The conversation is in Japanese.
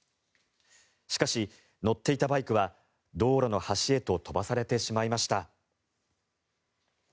しかし、乗っていたバイクは道路の端へと飛ばされてしまいました。